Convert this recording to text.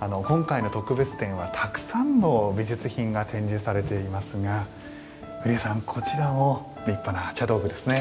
今回の特別展はたくさんの美術品が展示されていますが降矢さん、こちらも立派な茶道具ですよね。